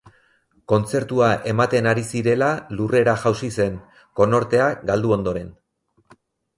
Kontzertua ematen ari zirela lurrera jausi zen, konortea galdu ondoren.